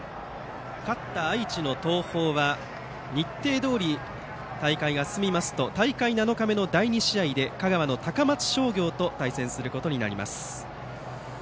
勝った愛知の東邦は日程どおり大会が進みますと大会７日目の第２試合で香川の高松商業と対戦することになります。